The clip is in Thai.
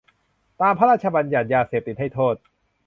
ตามพระราชบัญญัติยาเสพติดให้โทษ